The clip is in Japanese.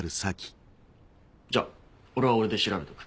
じゃあ俺は俺で調べておく。